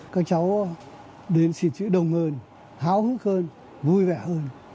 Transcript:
các cháu đến xin chữ đồng hơn hão hức hơn vui vẻ hơn